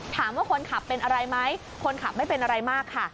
ถามว่าคนขับเป็นอะไรไหมคนขับไม่เป็นอะไรมากค่ะ